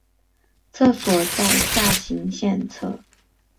厕所在下行线侧。